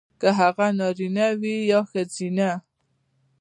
کـه هغـه نـاريـنه وي يـا ښـځيـنه .